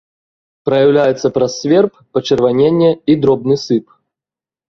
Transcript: Праяўляецца праз сверб, пачырваненне і дробны сып.